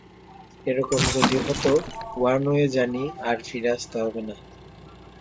এ-রকম যদি হত-ওয়ান ওয়ে জানি, আর ফিরে আসতে হবে না।